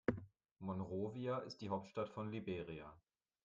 Monrovia ist die Hauptstadt von Liberia.